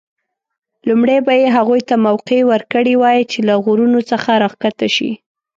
لومړی به یې هغوی ته موقع ورکړې وای چې له غرونو څخه راښکته شي.